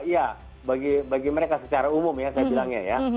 ya bagi mereka secara umum ya saya bilangnya ya